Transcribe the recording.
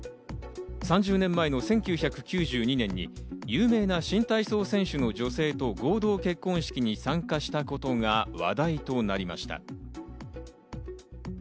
３０年前の１９９２年に有名な新体操選手の女性と合同結婚式に参加したことが話題となりました。